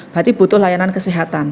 berarti butuh layanan kesehatan